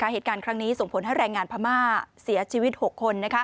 เหตุการณ์ครั้งนี้ส่งผลให้แรงงานพม่าเสียชีวิต๖คน